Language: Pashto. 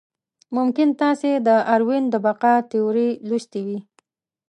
ممکن تاسې د داروېن د بقا تیوري لوستې وي.